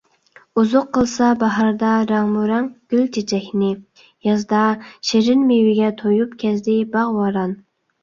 ئۇزۇق قىلسا باھاردا رەڭمۇرەڭ گۈل - چېچەكنى، يازدا شېرىن مېۋىگە تويۇپ كەزدى باغ - ۋاران.